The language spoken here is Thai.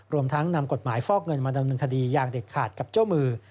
รวมทั้งนำกฎหมายฟอกเงินมาดำเนินคดีอย่างเด็ดขาดกับเจ้ามือ